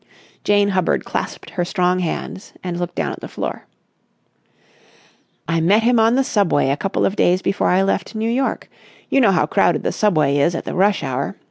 Jane Hubbard clasped her strong hands and looked down at the floor. "I met him on the Subway a couple of days before I left New York. You know how crowded the Subway is at the rush hour.